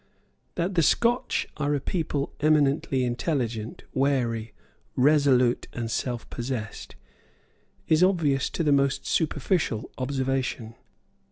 That the Scotch are a people eminently intelligent, wary, resolute and self possessed, is obvious to the most superficial observation.